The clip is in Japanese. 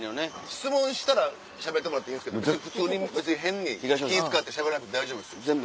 質問したらしゃべってもらっていいですけど普通に別に変に気使ってしゃべらんくて大丈夫です。